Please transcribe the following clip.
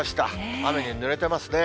雨にぬれてますね。